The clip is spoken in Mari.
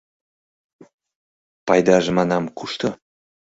Пайдаже, манам, кушто?